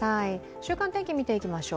週間天気見ていきましょう。